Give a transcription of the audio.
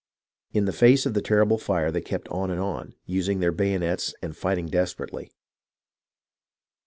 In the face of the terrible fire they kept on and on, using their bayonets and fighting desperately.